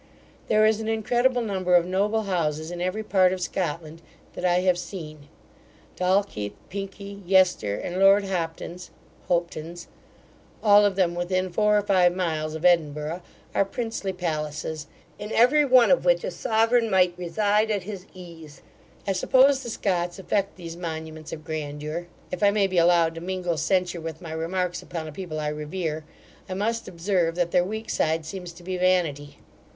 There is an incredible number of noble houses in every part of Scotland that I have seen. Dalkeith, Pinkie, Yester, and lord Hopton's [Hopetoun's], all of them within four or five miles of Edinburgh, are princely palaces, in every one of which a sovereign might reside at his case. I suppose the Scots affect these monuments of grandeur. If I may be allowed to mingle censure with my remarks upon a people I revere, I must observe, that their weak side seems to be vanity.